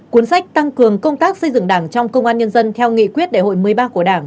cuốn sách tăng cường công tác xây dựng đảng trong công an nhân dân theo nghị quyết đại hội một mươi ba của đảng